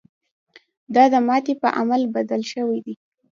دا د ماتې په عامل بدل شوی دی.